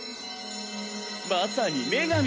まさに女神。